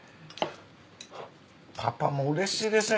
パパもうれしいですね。